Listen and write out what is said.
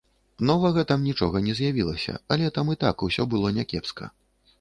Новага там нічога не з'явілася, але там і так усё было някепска.